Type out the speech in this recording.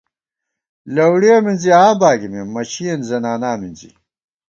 لَؤڑِیَہ مِنزِی آں باگِمېم، مشِئېن زنانا مِنزِی